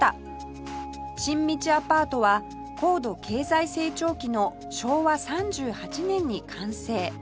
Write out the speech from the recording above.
新道アパートは高度経済成長期の昭和３８年に完成